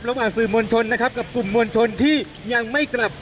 ระหว่างสื่อมวลชนนะครับกับกลุ่มมวลชนที่ยังไม่กลับ